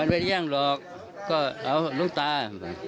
ไม่ได้แย่งหรอกก็เอาลูกตา